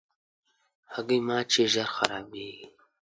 هګۍ مات شي، ژر خرابیږي.